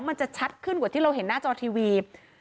มันจะชัดขึ้นกว่าที่เราเห็นหน้าจอทีวี